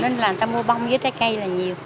nên làm ta mua bông với trái cây là nhiều